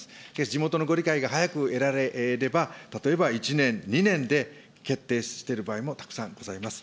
地元のご理解が早く得られれば、例えば１年、２年で決定している場合もたくさんございます。